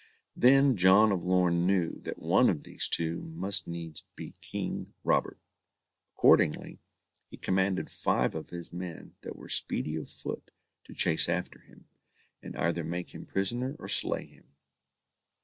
Then John of Lorn knew that one of these two must needs be King Robert. Accordingly, he commanded five of his men that were speedy of foot to chase after him, and either make him prisoner or slay him.